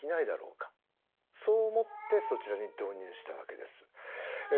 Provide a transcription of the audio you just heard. そう思ってそちらに導入したわけです。